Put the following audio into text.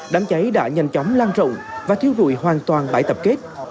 đám cháy đã nhanh chóng lan rộng và thiêu rụi hoàn toàn bãi tập kết